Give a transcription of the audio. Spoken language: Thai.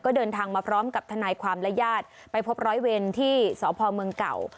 ก็เดินทางมาพร้อมกับทนายความและญาติไปพบร้อยเวรที่สพเมืองเก่า